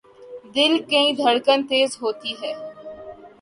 دل کی دھڑکن تیز ہوتی ہے